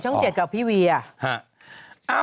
ช่อง๗กับพี่วีอ่ะ